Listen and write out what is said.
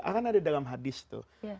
akan ada dalam hadis tuh